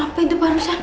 apa itu barusan